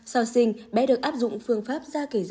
sau sinh bé được áp dụng phương pháp